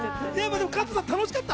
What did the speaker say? でも加藤さん楽しかった？